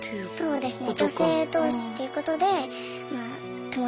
そうですね。